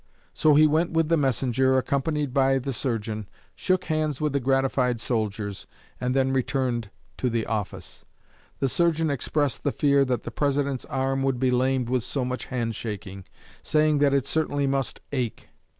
So he went with the messenger, accompanied by the surgeon, shook hands with the gratified soldiers, and then returned to the office. The surgeon expressed the fear that the President's arm would be lamed with so much hand shaking, saying that it certainly must ache.